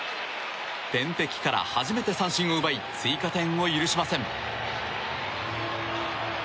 天敵から初めて三振を奪い追加点を許しません。